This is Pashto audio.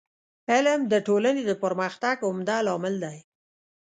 علم د ټولني د پرمختګ عمده لامل دی.